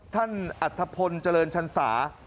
ท่านอัฐพนธ์เจริญชันศา